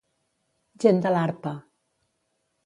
Gent de l'arpa.